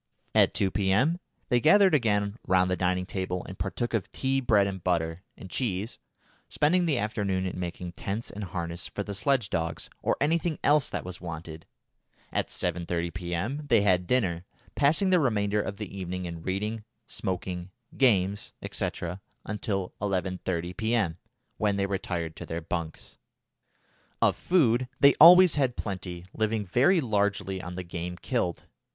At 2 P.M. they gathered again round the dining table and partook of tea, bread and butter, and cheese, spending the afternoon in making tents and harness for the sledge dogs, or anything else that was wanted. At 7.30 P.M. they had dinner, passing the remainder of the evening in reading, smoking, games, &c., until 11.30 P.M., when they retired to their bunks. Of food they always had plenty, living very largely on the game killed.